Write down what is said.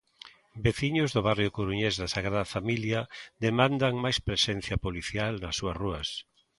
Veciños do barrio coruñés da Sagrada Familia demandan máis presencia policial nas súas rúas.